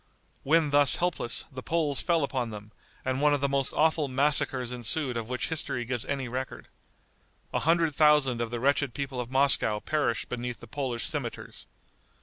When thus helpless, the Poles fell upon them, and one of the most awful massacres ensued of which history gives any record. A hundred thousand of the wretched people of Moscow perished beneath the Polish cimeters.